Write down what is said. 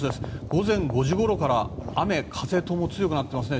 午前５時ごろから雨風ともに強くなっていますね。